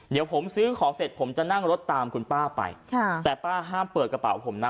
เดี๋ยวผมซื้อของเสร็จผมจะนั่งรถตามคุณป้าไปค่ะแต่ป้าห้ามเปิดกระเป๋าผมนะ